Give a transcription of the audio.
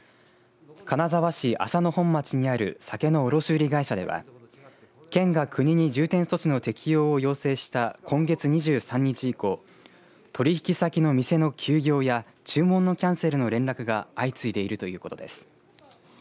金沢市浅野本町にある酒の卸売会社では県が国に重点措置の適用を要請した今月２３日以降取引先の店の休業や注文のキャンセルの連絡が相次いでいるということです。